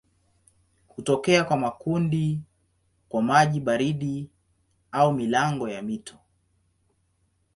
Hutokea kwa makundi kwa maji baridi au milango ya mito.